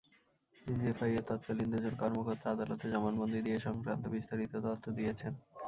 ডিজিএফআইয়ের তৎকালীন দুজন কর্মকর্তা আদালতে জবানবন্দি দিয়ে এ-সংক্রান্ত বিস্তারিত তথ্য দিয়েছেন।